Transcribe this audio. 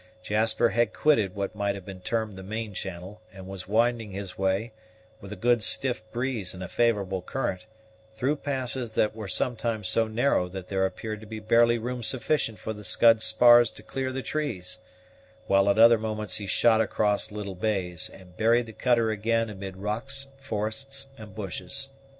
Jasper had quitted what might have been termed the main channel, and was winding his way, with a good stiff breeze and a favorable current, through passes that were sometimes so narrow that there appeared to be barely room sufficient for the Scud's spars to clear the trees, while at other moments he shot across little bays, and buried the cutter again amid rocks, forests, and bushes.